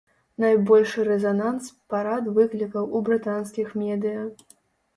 Найбольшы рэзананс парад выклікаў у брытанскіх медыя.